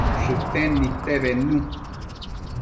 Shëcten nidte bednu